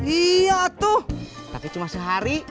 iya tuh tapi cuma sehari